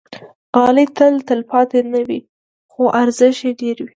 غالۍ تل تلپاتې نه وي، خو ارزښت یې ډېر وي.